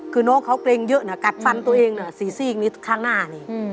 คือน้องเขาเกรงเยอะนะกัดฟันตัวเองสี่ซีกนี้ข้างหน้านี่